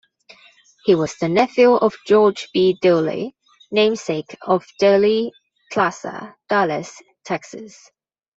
He was the nephew of George B. Dealey, namesake of Dealey Plaza, Dallas, Texas.